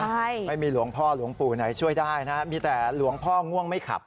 ใช่ไม่มีหลวงพ่อหลวงปู่ไหนช่วยได้นะมีแต่หลวงพ่อง่วงไม่ขับ